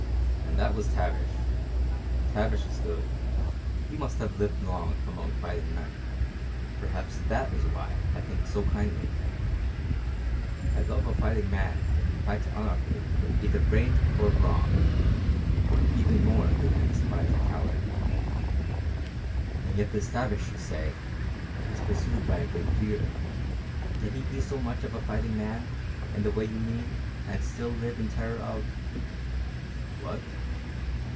"And that was Tavish. Tavish is good. He must have lived long among fighting men. Perhaps that is why I think so kindly of him. I love a fighting man if he fights honourably with either brain or brawn, even more than I despise a coward." "And yet this Tavish, you say, is pursued by a great fear. Can he be so much of a fighting man, in the way you mean, and still live in terror of...." "_What?